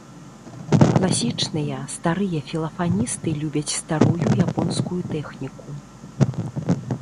Класічныя, старыя філафаністы любяць старую японскую тэхніку.